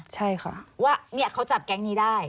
ใช่ค่ะว่าเขาจับแก๊งนี้ได้